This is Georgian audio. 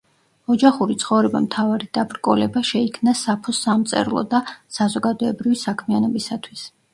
ოჯახური ცხოვრება მთავარი დაბრკოლება შეიქნა საფოს სამწერლო და საზოგადოებრივი საქმიანობისათვის.